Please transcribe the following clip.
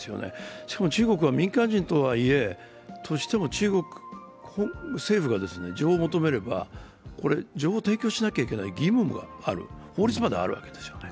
しかも中国は民間人とはいえ中国政府が情報を求めれば、情報を提供しなければいけない義務がある法律まであるわけですよね。